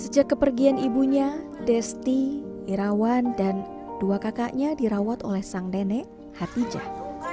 sejak kepergian ibunya desti irawan dan dua kakaknya dirawat oleh sang nenek hatijah